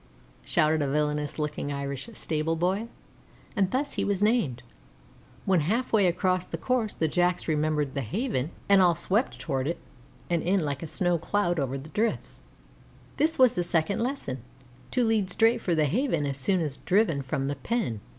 shouted a villainous looking Irish stable boy, and thus he was named. When halfway across the course the Jacks remembered the Haven, and all swept toward it and in like a snow cloud over the drifts. This was the second lesson to lead straight for the Haven as soon as driven from the Pen.